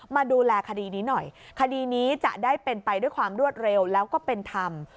มาดูแลคดีนี้หน่อยคดีนี้จะได้เป็นไปด้วยความรวดเร็วแล้วก็เป็นธรรม